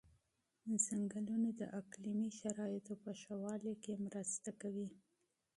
ځنګلونه د اقلیمي شرایطو په ښه والي کې مرسته کوي.